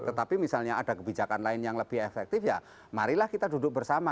tetapi misalnya ada kebijakan lain yang lebih efektif ya marilah kita duduk bersama